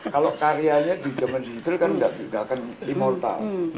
kalau karyanya di zaman sejujurnya kan gak akan immortal